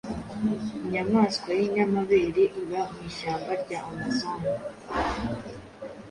inyamaswa y’ inyamabere iba mu ishyamba rya amazon,